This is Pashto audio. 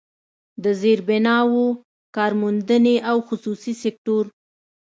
د زيربناوو، کارموندنې او خصوصي سکتور